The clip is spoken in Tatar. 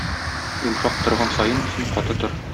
Йомшак торган саен, син каты тор.